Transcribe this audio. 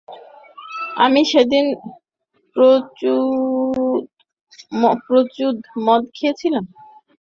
আমি সেদিন প্রচুদ মদ খেয়েছিলাম।